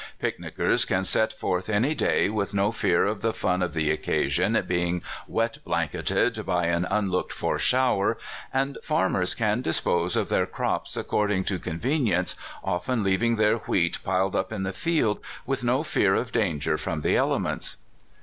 Picnickers can set forth any day, with no fear of the fun of the occasion being wet blanketed by an unlooked for shower ; and farmers can dispose of their crops according to convenience, often leaving their wheat piled up in the field, with no fear of danger from the elements.